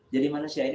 jadi manusia ini